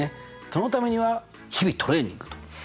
そのためには日々トレーニングと。